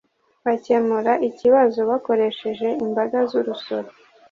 bakemura ikibazo bakoresheje imbaga z' urusoro,